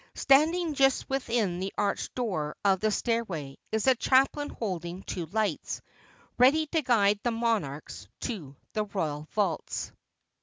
Standing just within the arched door of the stairway is a chaplain holding two lights, ready to guide the monarchs to the royal vaults.